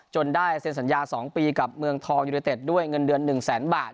ได้เซ็นสัญญา๒ปีกับเมืองทองยูเนเต็ดด้วยเงินเดือน๑แสนบาท